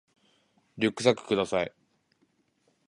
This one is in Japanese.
リュックサックください